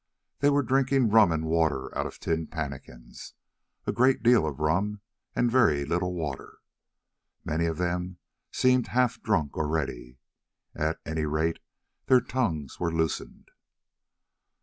They were drinking rum and water out of tin pannikins—a great deal of rum and very little water. Many of them seemed half drunk already, at any rate their tongues were loosened.